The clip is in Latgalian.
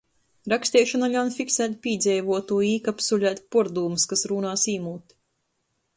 Raksteišona ļaun fiksēt pīdzeivuotū i īkapsulēt puordūmys, kas rūnās īmūt.